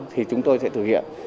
thì chúng tôi sẽ thực hiện